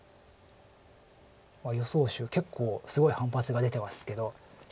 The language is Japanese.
予想手結構すごい反発が出てますけど。